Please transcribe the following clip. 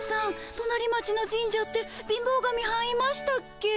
となり町の神社って貧乏神はんいましたっけ？